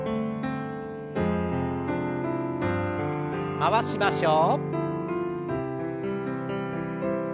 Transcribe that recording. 回しましょう。